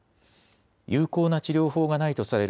有効な治療法がないとされる